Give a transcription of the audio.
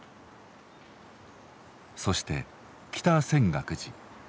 そして北泉岳寺。